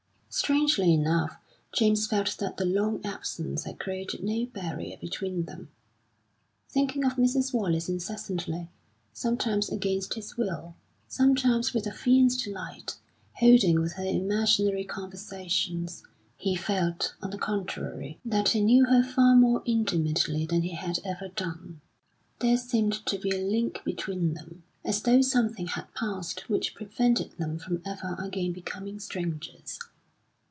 Strangely enough, James felt that the long absence had created no barrier between them. Thinking of Mrs. Wallace incessantly, sometimes against his will, sometimes with a fierce delight, holding with her imaginary conversations, he felt, on the contrary, that he knew her far more intimately than he had ever done. There seemed to be a link between them, as though something had passed which prevented them from ever again becoming strangers.